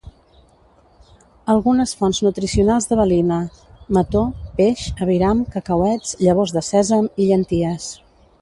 Algunes fonts nutricionals de valina: mató, peix, aviram, cacauets, llavors de sèsam, i llenties.